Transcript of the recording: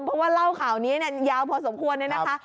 เพราะว่าเล่าข่าวนี้ยาวพอสมควรเลยนะคะ